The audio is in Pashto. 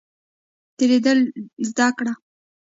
تیریدل زده کړئ